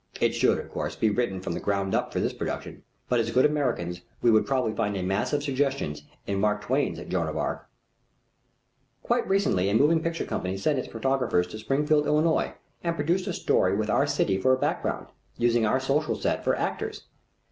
It should, of course, be written from the ground up for this production, but as good Americans we would probably find a mass of suggestions in Mark Twain's Joan of Arc. Quite recently a moving picture company sent its photographers to Springfield, Illinois, and produced a story with our city for a background, using our social set for actors.